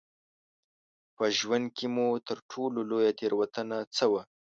په ژوند کې مو تر ټولو لویه تېروتنه څه وه؟